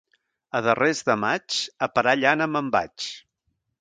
A darrers de maig a parar llana me'n vaig.